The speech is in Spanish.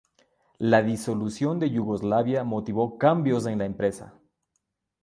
La disolución de Yugoslavia motivó cambios en la empresa.